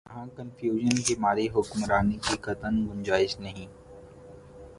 یہاں کنفیوژن کی ماری حکمرانی کی قطعا گنجائش نہیں۔